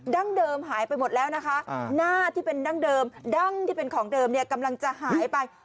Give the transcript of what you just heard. ดั้งเดิมหายไปหมดแล้วนะคะหน้าที่เป็นดั้งเดิมดั้งที่เป็นของเดิมเนี่ยกำลังจะหายไป